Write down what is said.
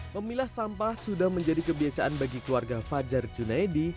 pemilah sampah sudah menjadi kebiasaan bagi keluarga fajar cunaedi